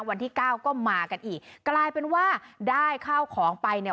วันที่เก้าก็มากันอีกกลายเป็นว่าได้ข้าวของไปเนี่ย